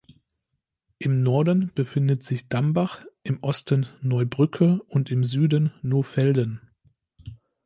Im Norden befindet sich Dambach, im Osten Neubrücke und im Süden Nohfelden.